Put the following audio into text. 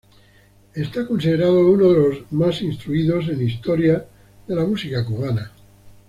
Es considerado uno de los más instruidos en historia de la música cubana.